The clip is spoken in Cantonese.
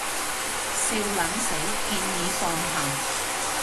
笑撚死，建議放下